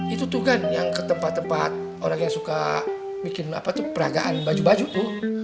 itu tuh kan yang ke tempat tempat orang yang suka bikin peragaan baju baju tuh